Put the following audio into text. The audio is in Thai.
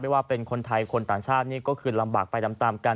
ว่าเป็นคนไทยคนต่างชาตินี่ก็คือลำบากไปตามกัน